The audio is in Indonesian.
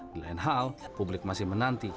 di lain hal publik masih menanti